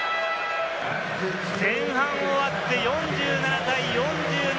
前半終わって４７対４７。